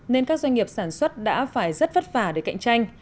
nên các doanh nghiệp sản xuất đã phải rất vất vả để cạnh tranh